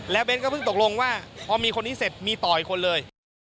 เบ้นก็เพิ่งตกลงว่าพอมีคนนี้เสร็จมีต่ออีกคนเลย